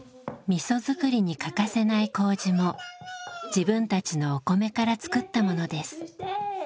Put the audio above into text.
みそ作りに欠かせない麹も自分たちのお米から作ったものです。